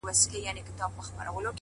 د تکراري حُسن چيرمني هر ساعت نوې یې؛